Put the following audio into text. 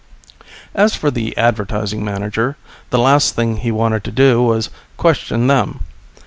As for the Advertising Manager, the last thing he wanted to do was question them.